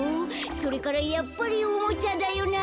それからやっぱりおもちゃだよな」。